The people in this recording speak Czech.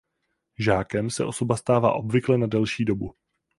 Žákem se osoba stává obvykle na delší dobu.